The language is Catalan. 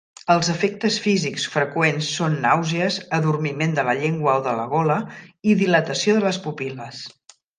Els efectes físics freqüents són nàusees, adormiment de la llengua o la gola i dilatació de les pupil·les.